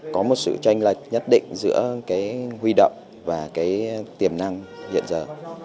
có một sự tranh lệch nhất định giữa cái huy động và cái tiềm năng hiện giờ